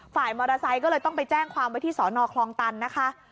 ฝ่ายมอเตอร์ไซค์ก็เลยต้องไปแจ้งความไว้ที่สอนอคลองตันนะคะ